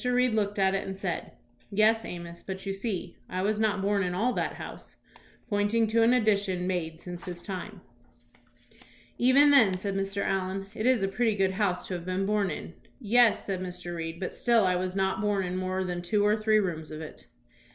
Reed looked at it and said, "Yes, Amos; but, you see, I was not born in all that house," pointing to an addition made since his time. 194 THOMAS BRACKETT REED "Even then," said Mr. Allen, "it is a pretty good house to have been born in." "Yes," said Mr. Reed, "but still I was not born in more than two or three rooms of it."